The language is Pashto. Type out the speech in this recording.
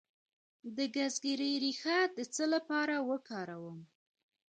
د ګزګیرې ریښه د څه لپاره وکاروم؟